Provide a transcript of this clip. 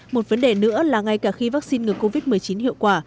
một vấn đề nữa là ngay cả khi vaccine ngừa covid một mươi chín hiệu quả